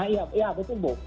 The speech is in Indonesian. iya betul bu